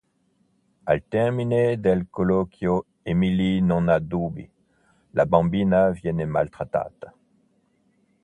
Al termine del colloquio Emily non ha dubbi: la bambina viene maltrattata.